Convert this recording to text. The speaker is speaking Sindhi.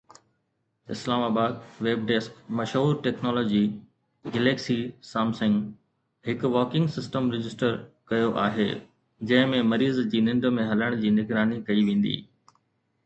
اسلام آباد (ويب ڊيسڪ) مشهور ٽيڪنالاجي گليڪسي سامسنگ هڪ واڪنگ سسٽم رجسٽر ڪيو آهي جنهن ۾ مريض جي ننڊ ۾ هلڻ جي نگراني ڪئي ويندي.